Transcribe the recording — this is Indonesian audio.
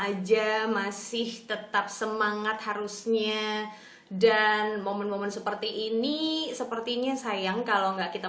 aja masih tetap semangat harusnya dan momen momen seperti ini sepertinya sayang kalau enggak kita